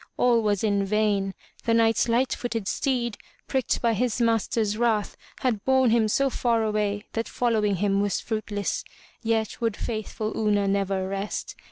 All was in vain. The Knight's light footed steed, pricked by his master's wrath, had borne him so far away that following him was fruit less. Yet would faithful Una never rest.